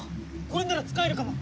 これなら使えるかも！